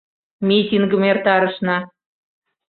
Митингым эртарышна.